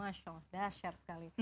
masya allah dasyat sekali